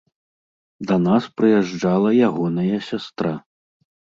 Да нас прыязджала ягоная сястра.